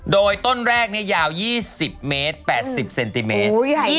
โดยต้นแรกยาว๒๐เมตร๘๐เซนติเมตร